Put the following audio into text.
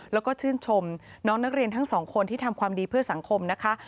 แล้วก็ชื่นชมน้องนักเรียนทั้งสองคนที่ทำความดีเพื่อสังคมนะคะ